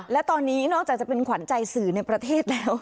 และตอนนี้นอกจากจะเป็นขวัญใจสื่อในประเทศแล้ว